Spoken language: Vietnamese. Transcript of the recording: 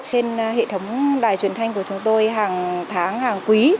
trên hệ thống đài truyền thanh của chúng tôi hàng tháng hàng quý